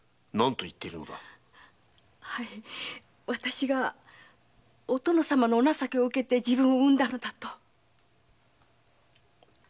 私がお殿様のお情けを受けて自分を生んだのだと。